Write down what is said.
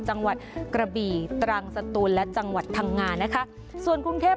จังหวัดกระบี่ตรังสตูนและจังหวัดพังงานะคะส่วนกรุงเทพ